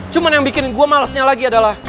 cuma yang bikin gue malesnya lagi adalah